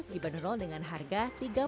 dibanderol dengan harga